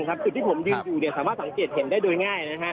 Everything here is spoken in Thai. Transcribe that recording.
จุดที่ผมยืนอยู่สามารถสังเกตเห็นได้โดยง่าย